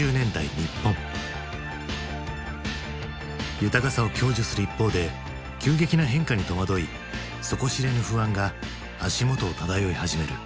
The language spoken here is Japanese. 豊かさを享受する一方で急激な変化に戸惑い底知れぬ不安が足元を漂い始める。